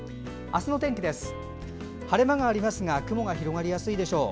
明日は晴れ間がありますが雲が広がりやすいでしょう。